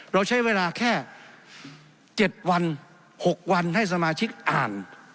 เราใช้เวลาแค่๗วัน๖วันให้สมาชิกอ่าน